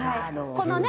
このね